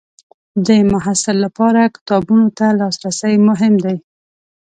د محصل لپاره کتابونو ته لاسرسی مهم دی.